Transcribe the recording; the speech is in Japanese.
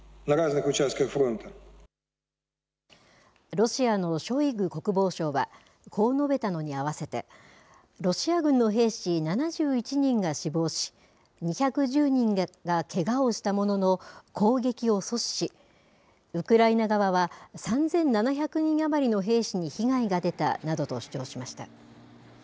ロシアのショイグ国防相は、こう述べたのに合わせて、ロシア軍の兵士７１人が死亡し、２１０人がけがをしたものの、攻撃を阻止し、ウクライナ側は、３７００人余りの兵士に被害が出たなどと主張しました。